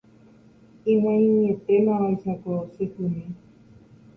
ig̃uaig̃uietémavaicha ko che symi